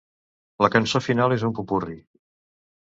La cançó final és un popurri.